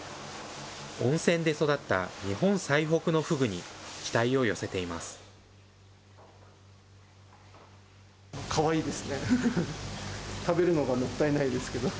温泉で育った日本最北のフグに、期待を寄せています。